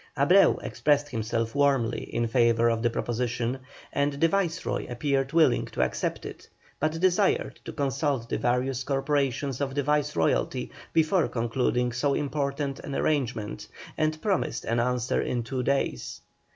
Abreu expressed himself warmly in favour of the proposition, and the Viceroy appeared willing to accept it, but desired to consult the various corporations of the Viceroyalty before concluding so important an arrangement, and promised an answer in two days.